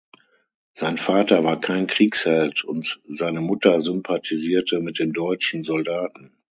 Sein Vater war kein Kriegsheld und seine Mutter sympathisierte mit den deutschen Soldaten.